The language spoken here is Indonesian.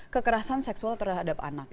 kekerasan seksual terhadap anak